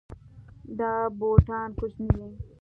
دا بوټان کوچني دي